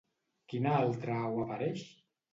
Quina altra au apareix?